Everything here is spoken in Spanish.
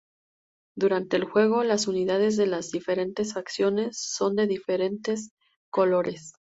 Durante el juego, las unidades de las diferentes facciones son de diferentes colores.